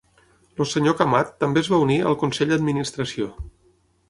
El Sr. Kamat també es va unir al consell d'administració.